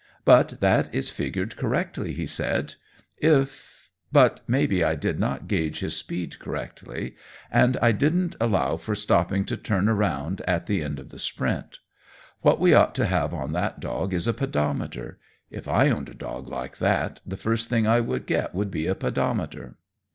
"But that is figured correctly," he said. "If but maybe I did not gauge his speed correctly. And I didn't allow for stopping to turn around at the end of the out sprint. What we ought to have on that dog is a pedometer. If I owned a dog like that, the first thing I would get would be a pedometer."